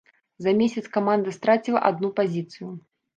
За месяц каманда страціла адну пазіцыю.